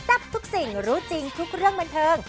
ทับทุกสิ่งรู้จริงทุกเรื่องบันเทิง